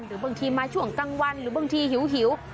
หรือบางทีมาช่วงกลางวันหรือบางทีหิว